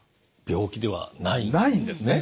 病気ではないんですね。